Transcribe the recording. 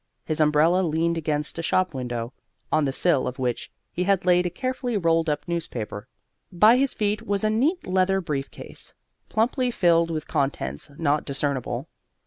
His umbrella leaned against a shop window, on the sill of which he had laid a carefully rolled up newspaper. By his feet was a neat leather brief case, plumply filled with contents not discernible.